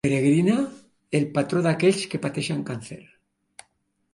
Peregrine, el patró d'aquells que pateixen càncer.